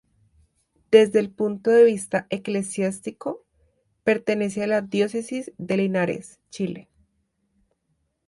Desde el punto de vista eclesiástico, pertenece a la Diócesis de Linares, Chile.